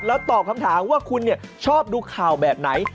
แล้วตอบคำถามว่าคุณชอบดูข่าวแบบไหน